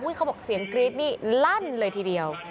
เขาบอกเสียงกรี๊ดนี่ลั่นเลยทีเดียว